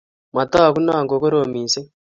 Matagu noo ko korom mising